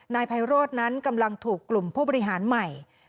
นายไพโรธนั้นกำลังถูกกลุ่มผู้บริหารใหม่